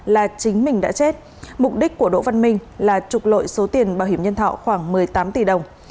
là chính mình đã chết mục đích của đỗ văn minh là trục lội số tiền bảo hiểm nhân thọ khoảng một mươi tám tỷ đồng